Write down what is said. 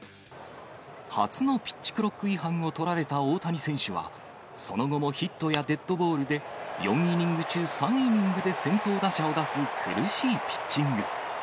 初のピッチクロック違反を取られた大谷選手は、その後もヒットやデッドボールで、４イニング中３イニングで先頭打者を出す苦しいピッチング。